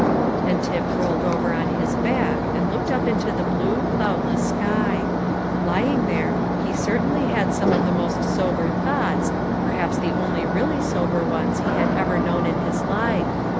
And Tip rolled over on his back, and looked up into the blue, cloudless sky; lying there, he certainly had some of the most sober thoughts, perhaps the only really sober ones he had ever known in his life.